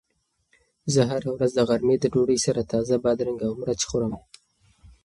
زه هره ورځ د غرمې د ډوډۍ سره تازه بادرنګ او مرچ خورم.